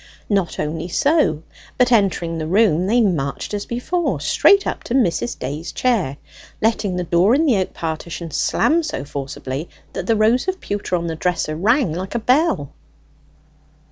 Not only so, but entering the room, they marched as before straight up to Mrs. Day's chair, letting the door in the oak partition slam so forcibly, that the rows of pewter on the dresser rang like a bell.